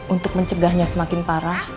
untuk mencegahnya semakin parah